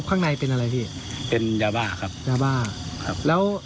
ข้างในเป็นอะไรพี่เป็นยาบ้าครับยาบ้าครับแล้ว